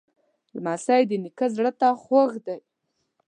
لمسی د نیکه زړه ته خوږ دی.